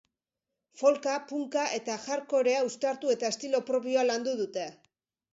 Folka, punka eta hard-core-a uztartu eta estilo propioa landu dute.